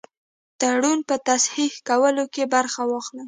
تړون په تصحیح کولو کې برخه واخلي.